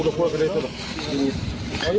ดิฉันตัวไม่ต้องกิน